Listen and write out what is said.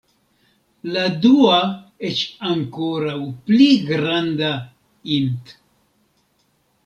La dua, eĉ ankoraŭ pli granda int.